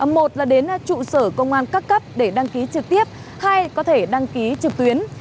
một là đến trụ sở công an các cấp để đăng ký trực tiếp hai có thể đăng ký trực tuyến